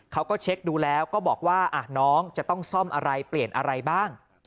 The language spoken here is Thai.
เขาก็เช็คดูแล้วก็บอกว่าน้องจะต้องซ่อมอะไรเปลี่ยนอะไรบ้าง